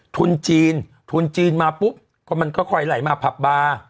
ทุนจีนมาปุ๊บก็ค่อยไหลมาผับบอา